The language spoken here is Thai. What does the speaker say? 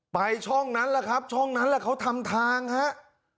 ไปช่องนั้นแหละครับช่องนั้นแหละเขาทำทางครับ